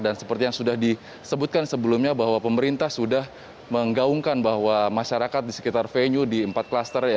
dan seperti yang sudah disebutkan sebelumnya bahwa pemerintah sudah menggaungkan bahwa masyarakat di sekitar venue di empat cluster